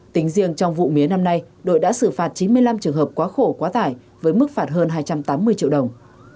tính riêng trong vụ mía năm nay đội đã xử phạt chín mươi năm trường hợp quá khổ quá tải với mức phạt hơn hai trăm tám mươi triệu đồng